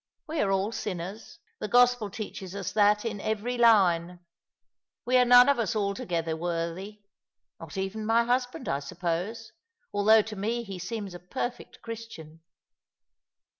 " We are all sinners. The Gospel teaches us that in every line ! We are none of us altogether worthy— not even my husband, I suppose, although to me he seems a perfect Christian."